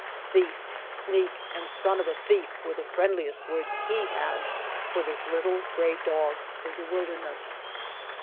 Thief, sneak, and son of a thief, were the friendliest words he had for this little gray dog of the wil derness.